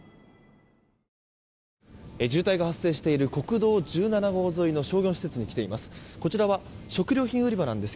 渋滞が発生している国道１７号沿いの商業施設に来ています。